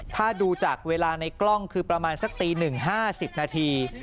ถ้าดูจากเวลาในกล้องคือประมาณสักตี๑๕๐นาที